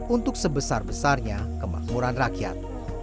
untuk sebesar besarnya kemakmuran rakyat